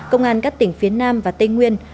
công an các tỉnh phía nam và tây nguyên